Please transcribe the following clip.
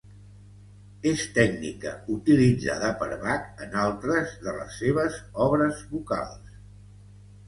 És tècnica utilitzada per Bach en altres de les seves obres vocals.